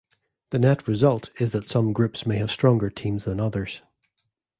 The net result is that some groups may have stronger teams than others.